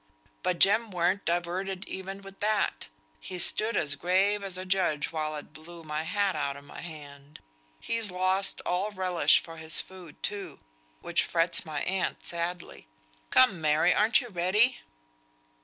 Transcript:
But Jem weren't diverted even with that; he stood as grave as a judge while it blew my hat out o' my hand. He's lost all relish for his food, too, which frets my aunt sadly. Come! Mary, ar'n't you ready?"